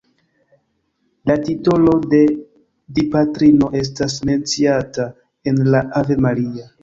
La titolo de Dipatrino estas menciata en la Ave Maria.